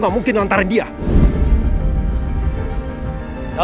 taman karimun parmae